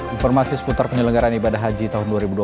informasi seputar penyelenggaran ibadah haji tahun dua ribu dua puluh